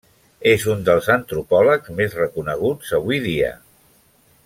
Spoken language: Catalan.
És un dels antropòlegs més reconeguts avui dia.